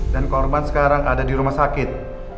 dan korban sekarang ada di rumah sakit